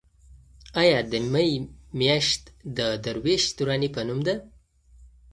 ایا د مې میاشت د درویش دراني په نوم ده؟